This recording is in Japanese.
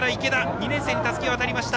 ２年生にたすきが渡りました。